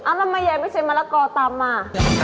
ทำไมยายไม่ใช่มะละกอตามมา